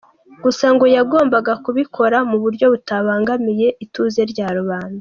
Gusa ngo yagombaga kubikora mu buryo butabangamiye ituze rya rubanda.